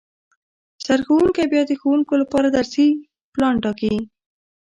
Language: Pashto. سرښوونکی بیا د ښوونکو لپاره درسي پلان ټاکي